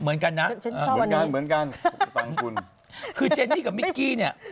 เหมือนกันนะเหมือนกันเหมือนกันฟังคุณคือเจนนี่กับมิกกี้เนี่ย